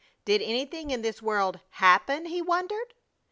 Did anything in this world happen, he wondered?